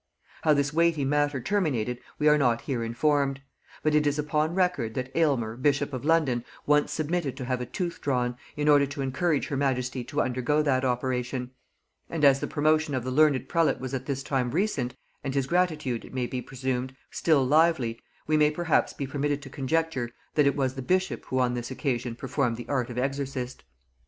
How this weighty matter terminated we are not here informed; but it is upon record that Aylmer bishop of London once submitted to have a tooth drawn, in order to encourage her majesty to undergo that operation; and as the promotion of the learned prelate was at this time recent, and his gratitude, it may be presumed, still lively, we may perhaps be permitted to conjecture that it was the bishop who on this occasion performed the part of exorcist.